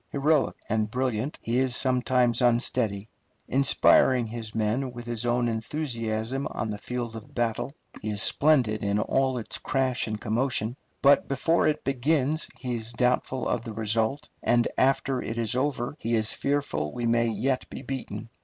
Heroic and brilliant, he is sometimes unsteady. Inspiring his men with his own enthusiasm on the field of battle, he is splendid in all its crash and commotion, but before it begins he is doubtful of the result, and after it is over he is fearful we may yet be beaten.